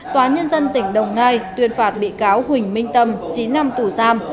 tòa nhân dân tỉnh đồng nai tuyên phạt bị cáo huỳnh minh tâm chín năm tù giam